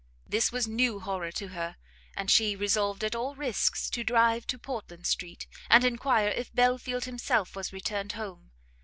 This was new horror to her, and she resolved at all risks to drive to Portland street, and enquire if Belfield himself was returned home.